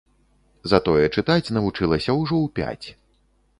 Затое чытаць навучылася ўжо ў пяць.